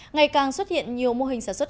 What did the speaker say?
ngày càng xuất hiện nhiều mô hình sản xuất